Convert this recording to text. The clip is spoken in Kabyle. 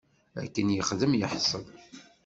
Akken yexdem yeḥṣel.